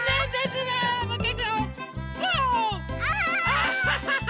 アハハハ！